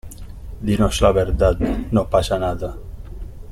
dinos la verdad. no pasa nada .